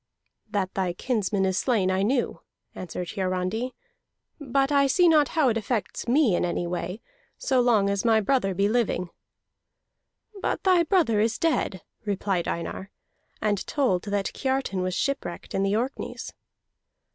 "That thy kinsman is slain I knew," answered Hiarandi, "but I see not how it affects me in any way, so long as my brother be living." "But thy brother is dead," replied Einar, and told that Kiartan was shipwrecked in the Orkneys.